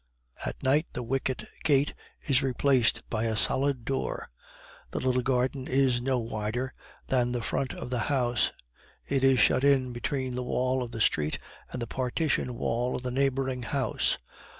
At night the wicket gate is replaced by a solid door. The little garden is no wider than the front of the house; it is shut in between the wall of the street and the partition wall of the neighboring house.